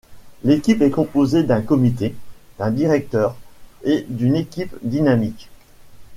L'équipe est composée d'un comité, d'un directeur et d'une équipe dynamique.